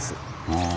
うん。